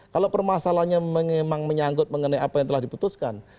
kalau permasalahannya memang menyangkut mengenai apa yang telah diputuskan